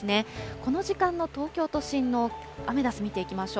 この時間の東京都心のアメダス見ていきましょう。